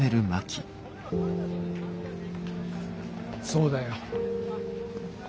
そうだよ。